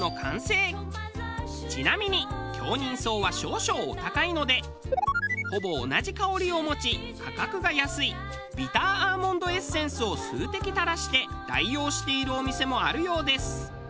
ちなみに杏仁霜は少々お高いのでほぼ同じ香りを持ち価格が安いビターアーモンドエッセンスを数滴垂らして代用しているお店もあるようです。